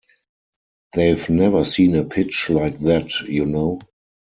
They've never seen a pitch like that, you know?